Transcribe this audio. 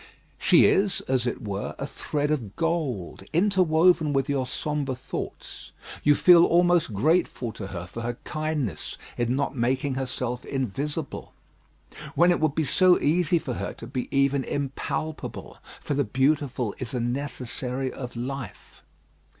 She is, as it were, a thread of gold interwoven with your sombre thoughts; you feel almost grateful to her for her kindness in not making herself invisible, when it would be so easy for her to be even impalpable; for the beautiful is a necessary of life.